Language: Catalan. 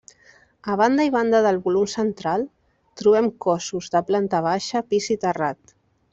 A banda i banda del volum central trobem cossos de planta baixa, pis i terrat.